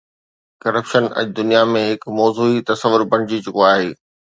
Corruption اڄ دنيا ۾ هڪ موضوعي تصور بڻجي چڪو آهي.